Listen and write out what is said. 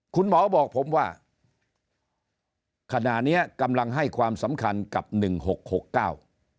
คุณหมอบอกผมว่าขณะเนี้ยกำลังให้ความสำคัญกับหนึ่งหกหกเก้า